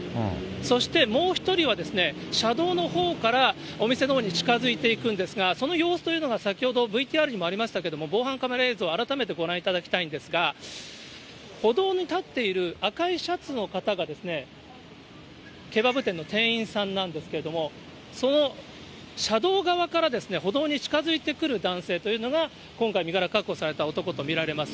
そして、もう１人は車道のほうからお店のほうに近づいていくんですが、その様子というのが、先ほどのＶＴＲにもありましたけれども、防犯カメラ映像、改めてご覧いただきたいんですが、歩道に立っている赤いシャツの方がですね、ケバブ店の店員さんなんですけれども、その車道側から歩道に近づいてくる男性というのが、今回、身柄確保された男と見られます。